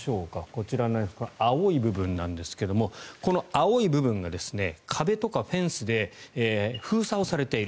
こちら、青い部分なんですがこの青い部分が壁とかフェンスで封鎖をされている。